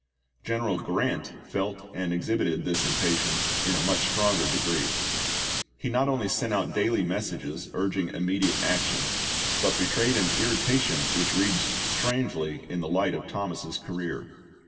General Grant felt and exhibited this impatience in a much stronger degree. He not only sent out daily messages urging immediate action, but betrayed an irritation which reads strangely in the light of Thomas's career.